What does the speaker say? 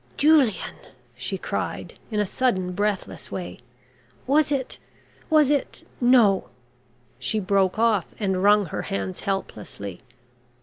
"Julian," she cried, in a sudden breathless way, "was it was it? No." She broke off and wrung her hands helplessly.